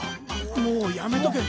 もうやめとけ。